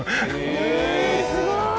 えぇすごい。